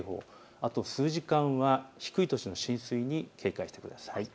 あと数時間は低い土地の浸水に警戒してください。